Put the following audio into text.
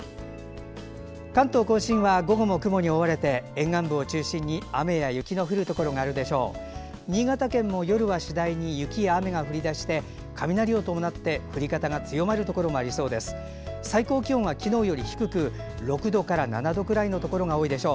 関東・甲信は午後も雲に覆われて沿岸部を中心に雨や雪の降るところがあるでしょう。